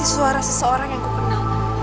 suara seseorang yang kukenal